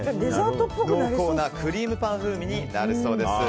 濃厚なクリームパン風味になるそうです。